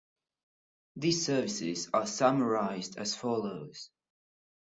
These services are summarised as follows.